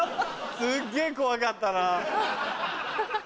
すっげぇ怖かったなぁ。